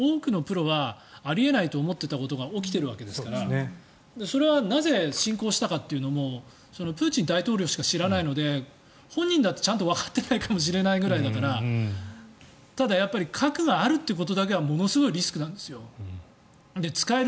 ただ、元々ウクライナに対する侵攻だって、多くのプロはあり得ないと思っていたことが起きているわけですからそれはなぜ、侵攻したかというのもプーチン大統領しか知らないので本人だってちゃんとわかっていないくらいかもしれないからただ、核があるということだけはものすごいリスクなんですよ。